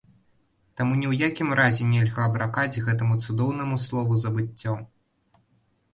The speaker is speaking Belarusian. Таму ні ў якім разе нельга абракаць гэтаму цудоўнаму слову забыццё.